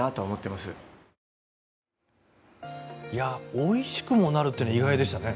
おいしくもなるというのが意外でしたね。